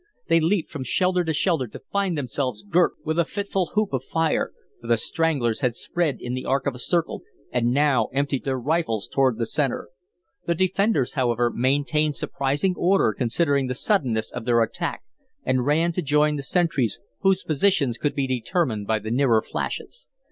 They leaped from shelter to find themselves girt with a fitful hoop of fire, for the "Stranglers" had spread in the arc of a circle and now emptied their rifles towards the centre. The defenders, however, maintained surprising order considering the suddenness of their attack, and ran to join the sentries, whose positions could be determined by the nearer flashes.